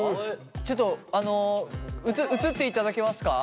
ちょっと映っていただけますか？